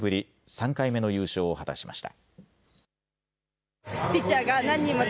３回目の優勝を果たしました。